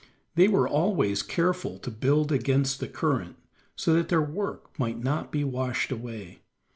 They were always careful to build against the current, so that their work might not be washed away.